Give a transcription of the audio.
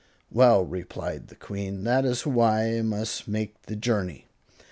"Well," replied the Queen, "that is why I must make the journey.